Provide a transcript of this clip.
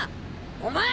お前！